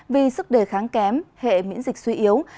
vì sức đề kháng kém hệ miễn dịch suy yếu